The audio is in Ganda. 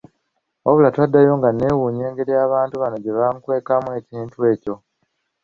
Wabula twaddayo nga neewuunya engeri abantu bano gye bankwekamu ekintu ekyo.